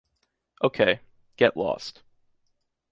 Ok, get lost.